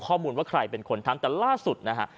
ข้อมูลว่าใครเป็นคนทำแต่ล่าสุดนะฮะ